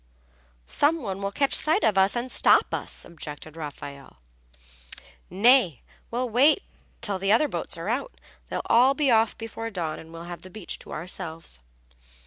"Some one will catch sight of us and stop us," objected Raffaelle. "Nay, we'll wait till the other boats are out. They'll all be off before dawn and we'll have the beach to ourselves."